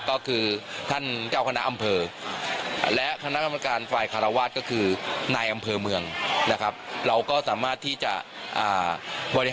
ก็คือท่านเจ้าคณะอำเภอและคณะกรรมการฝ่ายคารวาสก็คือนายอำเภอเมืองนะครับ